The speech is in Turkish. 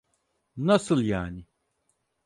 NasıI yani?